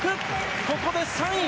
ここで３位。